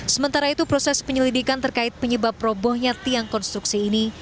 sementara itu proses penyelidikan terkait penyebab robohnya tiang konstruksi ini